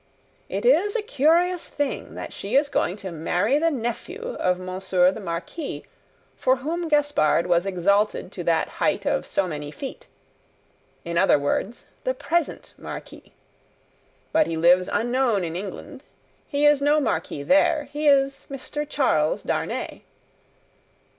it is a curious thing that she is going to marry the nephew of Monsieur the Marquis, for whom Gaspard was exalted to that height of so many feet; in other words, the present Marquis. But he lives unknown in England, he is no Marquis there; he is Mr. Charles Darnay.